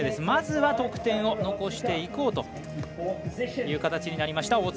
まずは得点を残していこうという形になりました